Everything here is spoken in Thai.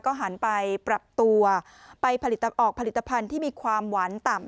ก็หันไปปรับตัวไปออกผลิตภัณฑ์ที่มีความหวานต่ำ